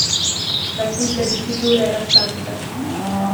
La sigla di chiusura era statica.